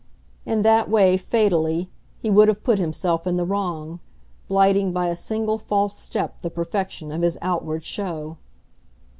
In that way, fatally, he would have put himself in the wrong blighting by a single false step the perfection of his outward show.